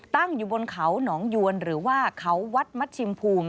ตั้งอยู่บนเขาหนองยวนหรือว่าเขาวัดมัชชิมภูมิ